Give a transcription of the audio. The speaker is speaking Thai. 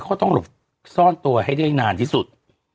เขาต้องหลบซ่อนตัวให้ได้นานที่สุด